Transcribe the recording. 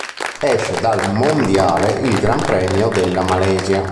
Esce dal mondiale il Gran Premio della Malesia.